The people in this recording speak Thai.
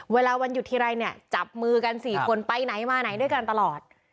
วันหยุดทีไรเนี่ยจับมือกัน๔คนไปไหนมาไหนด้วยกันตลอด